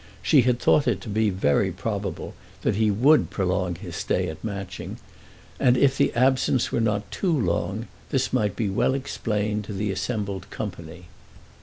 She had thought it to be very probable that he would prolong his stay at Matching, and if the absence were not too long, this might be well explained to the assembled company.